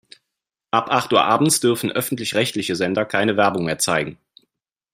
Ab acht Uhr abends dürfen öffentlich-rechtliche Sender keine Werbung mehr zeigen.